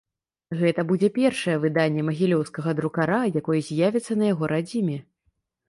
Гэта будзе першае выданне магілёўскага друкара, якое з'явіцца на яго радзіме.